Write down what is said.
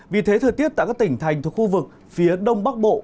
vì thế thời tiết tại các tỉnh thành thuộc khu vực phía đông bắc bộ